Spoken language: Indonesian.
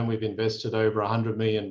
data world bank mencatat jumlah pengiriman includes